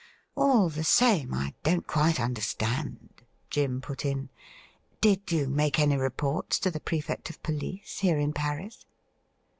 ' All the same, I don't quite understand,' Jim put in. ' Did you make any reports to the Prefect of Police, here in Paris